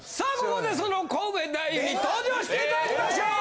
ここでそのコウメ太夫に登場していただきましょう！